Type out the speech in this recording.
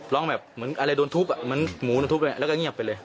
ร้องแบบเหมือนอะไรโดนทุบเหมือนหมูโดนทุบด้วยแล้วก็เงียบไปเลย